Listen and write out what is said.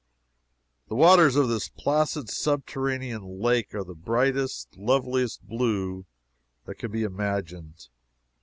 The waters of this placid subterranean lake are the brightest, loveliest blue that can be imagined.